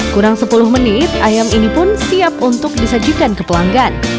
kurang sepuluh menit ayam ini pun siap untuk disajikan ke pelanggan